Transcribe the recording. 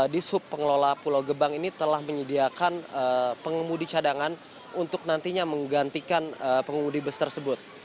di sub pengelola pulau gebang ini telah menyediakan pengemudi cadangan untuk nantinya menggantikan pengemudi bus tersebut